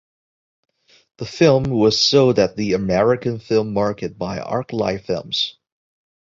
The film was sold at the American Film Market by Arclight Films.